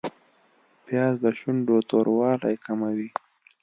پیاز د شونډو توروالی کموي